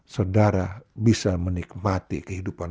saudara bisa menikmati kehidupan